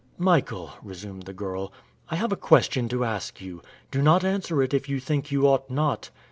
"Michael," resumed the girl, "I have a question to ask you. Do not answer it if you think you ought not.